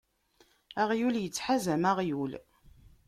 Aɣyul ittḥazam aɣyul.